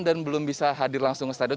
dan belum bisa hadir langsung ke stadion